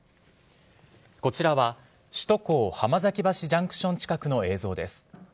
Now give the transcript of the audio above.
こちらは首都高浜崎橋ジャンクション近くの映像です。